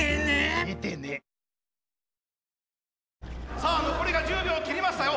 さあ残りが１０秒切りましたよ。